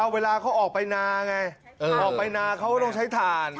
เวลาเขาออกไปนาไงออกไปนาเขาก็ต้องใช้ถ่าน